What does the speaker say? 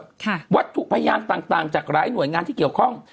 วัตถุพยานต่างต่างจากหลายหน่วยงานที่เกี่ยวข้อง